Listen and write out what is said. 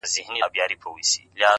د زاړه کتاب پاڼې لږ ژیړې وي!.